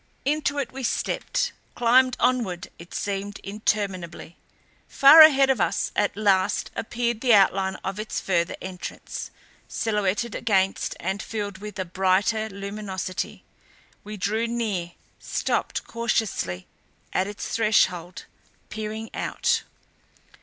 Into it we stepped; climbed onward it seemed interminably. Far ahead of us at last appeared the outline of its further entrance, silhouetted against and filled with a brighter luminosity. We drew near; stopped cautiously at its threshold, peering out.